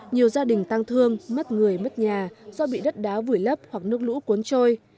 nhiều gia đình tăng thương mất người mất nhà do bị đất đá vùi lấp hoặc nước lũ cuốn trôi